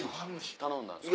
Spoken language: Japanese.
頼んだんですか？